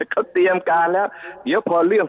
เขาเตรียมการแล้วเดี๋ยวพอเรื่อง